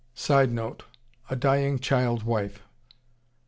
[Sidenote: A dying child wife.